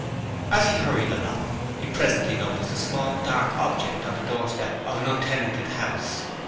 As he hurried along he presently noticed a small dark object on the doorstep of an untenanted house.